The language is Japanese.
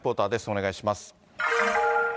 お願いします。